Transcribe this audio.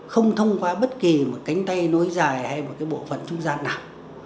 không thông qua bất kỳ một cánh tay nối dài hay một cái bộ phận trung gian nào